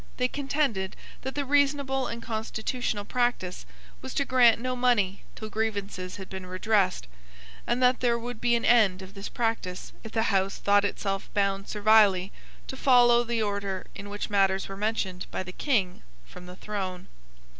They contended that the reasonable and constitutional practice was to grant no money till grievances had been redressed, and that there would be an end of this practice if the House thought itself bound servilely to follow the order in which matters were mentioned by the King from the throne.